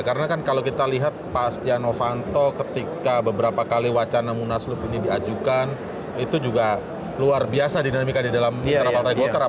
karena kan kalau kita lihat pak astiano vanto ketika beberapa kali wacana munaslup ini diajukan itu juga luar biasa dinamika di dalam partai golkar